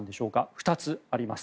２つあります。